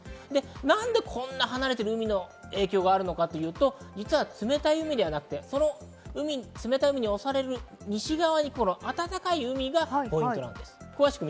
なんでこんな離れている海の影響があるのかというと、冷たい海ではなく、冷たい海に押される西側に暖かい海がポイントです。